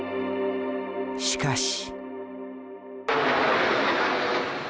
しかし。